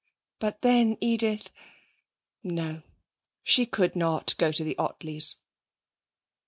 But then Edith.... No, she could not go to the Ottleys.